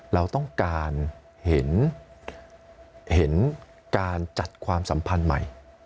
เราต้องการเห็นการจัดความสัมพันธ์ใหม่